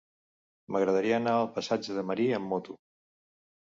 M'agradaria anar al passatge de Marí amb moto.